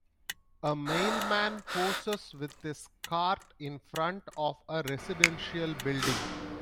A mailman poses with his cart in front of a residential building.